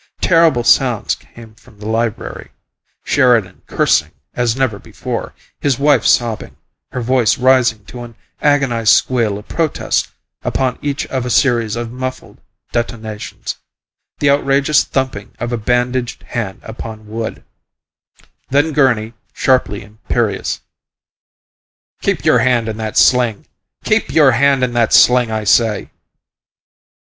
Terrible sounds came from the library: Sheridan cursing as never before; his wife sobbing, her voice rising to an agonized squeal of protest upon each of a series of muffled detonations the outrageous thumping of a bandaged hand upon wood; then Gurney, sharply imperious, "Keep your hand in that sling! Keep your hand in that sling, I say!"